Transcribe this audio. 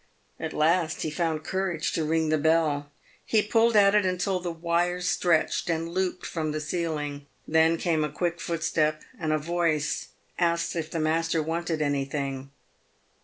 At last, he found courage to ring the bell. He pulled at it until the wire stretched and looped from the ceiling. Then came a quick footstep, and a voice asked if master wanted anything.